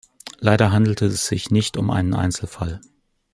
Leider handelte es sich nicht um einen Einzelfall.